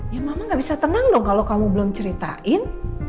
ya mama gak bisa tenang dong kalau kamu belum ceritain